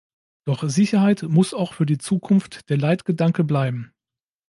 Doch Sicherheit muss auch für die Zukunft der Leitgedanke bleiben.